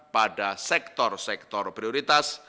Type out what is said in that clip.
pada sektor sektor prioritas